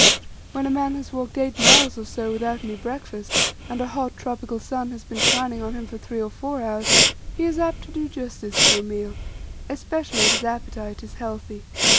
When a man has walked eight miles or so without any breakfast, and a hot tropical sun has been shining on him for three or four hours, he is apt to do justice to a meal, especially if his appetite is healthy.